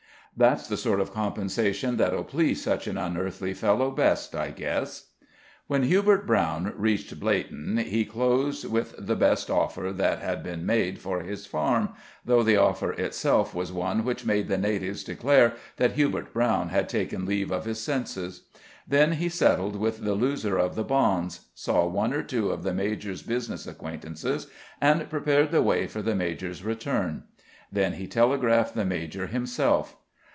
That's the sort of compensation that'll please such an unearthly fellow best, I guess." When Hubert Brown reached Bleighton, he closed with the best offer that had been made for his farm, though the offer itself was one which made the natives declare that Hubert Brown had taken leave of his senses. Then he settled with the loser of the bonds, saw one or two of the major's business acquaintances, and prepared the way for the major's return; then he telegraphed the major himself.